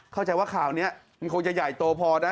เข้าใจว่าข่าวนี้มันคงจะใหญ่โตพอนะ